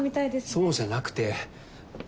そうじゃなくて。